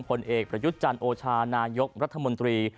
ผลเอกประยุทธ์จันทร์โอชานายกรัฐมนตรี